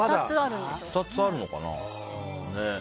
２つあるのかな。